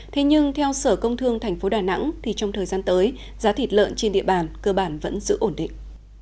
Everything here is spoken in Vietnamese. thế nhưng theo sở công thương tp đà nẵng thì trong thời gian tới giá thịt lợn trên địa bàn cơ bản vẫn giữ ổn định